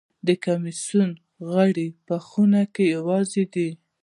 د کمېسیون غړي په خونه کې یوازې دي.